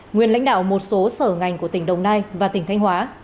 nguyên lãnh đạo một số sở ngành của tỉnh đồng nai và tỉnh thanh hóa